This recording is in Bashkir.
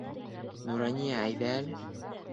Нурания, әйҙә әле.